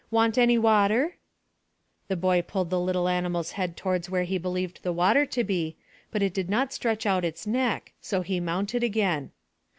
Want any water?" The boy pulled the little animal's head towards where he believed the water to be, but it did not stretch out its neck, so he mounted again.